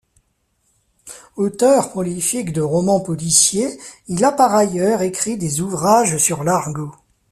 Auteur prolifique de romans policiers, il a par ailleurs, écrit des ouvrages sur l'argot.